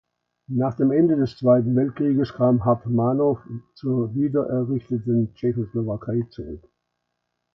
Nach dem Ende des Zweiten Weltkrieges kam "Hartmanov" zur wiedererrichteten Tschechoslowakei zurück.